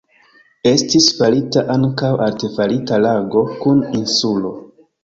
Estis farita ankaŭ artefarita lago kun insulo.